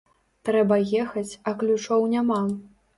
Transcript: Трэба ехаць, а ключоў няма.